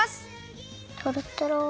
とろとろ。